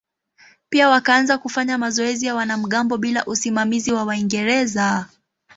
Pia wakaanza kufanya mazoezi ya wanamgambo bila usimamizi wa Waingereza.